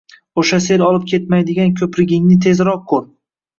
O‘sha sel olib ketmaydigan ko‘prigingni tezroq qur